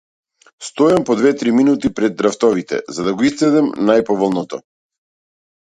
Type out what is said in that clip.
Стојам по две-три минути пред рафтовите, за да го исцедам најповолното.